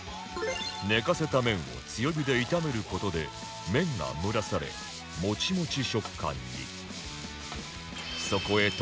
寝かせた麺を強火で炒める事で麺が蒸らされモチモチ食感に